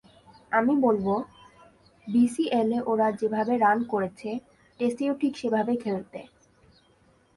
আমি বলব, বিসিএলে ওরা যেভাবে রান করেছে, টেস্টেও ঠিক সেভাবে খেলতে।